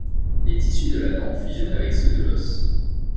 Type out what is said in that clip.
Les tissus de la dent fusionnent avec ceux de l'os.